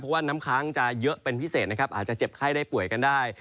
เพราะว่าน้ำค้างจะเยอะเป็นพิเศษนะครับอาจจะเจ็บไข้ได้ป่วยกันได้